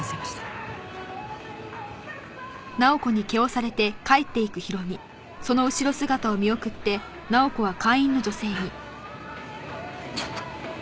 あちょっと。